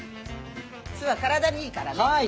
酢は体にいいからね。